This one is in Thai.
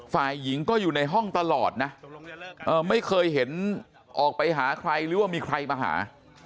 ฝ่ายหญิงก็อยู่ในห้องตลอดนะไม่เคยเห็นออกไปหาใครหรือว่ามีใครมาหา